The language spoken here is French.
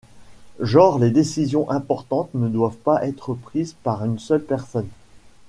Genre les décisions importantes ne doivent pas être prises par une seule personne. ..